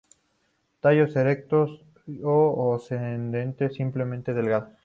Tallos erectos o ascendentes, simples, delgados.